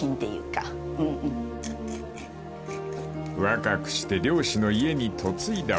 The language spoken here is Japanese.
［若くして漁師の家に嫁いだおふくろ］